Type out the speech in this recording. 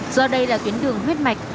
do đây là tuyến đường huyết mạch